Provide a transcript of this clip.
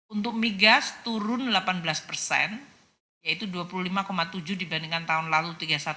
untuk migas turun delapan belas persen yaitu dua puluh lima tujuh dibandingkan tahun lalu tiga puluh satu